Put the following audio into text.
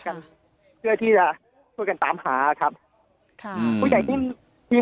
กันเพื่อที่จะช่วยกันตามหาครับค่ะอืมผู้ใหญ่นิ่มที่